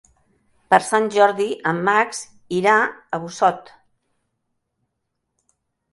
Per Sant Jordi en Max irà a Busot.